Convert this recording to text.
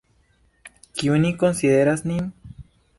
Kiu ni konsideras nin?